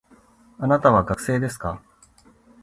あなたは学生ですか